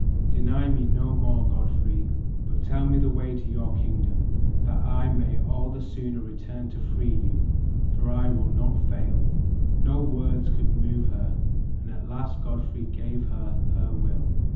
Deny me no more, Godfrey, but tell me the way to your kingdom, that I may all the sooner return to free you, for I will not fail." No words could move her, and at last Godfrey gave her her will.